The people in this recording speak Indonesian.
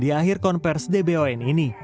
di akhir konversi dbon ini